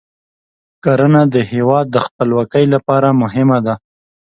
کرنه د هیواد د خپلواکۍ لپاره مهمه ده.